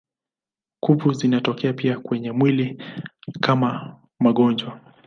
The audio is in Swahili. Kuvu zinatokea pia kwenye mwili kama magonjwa.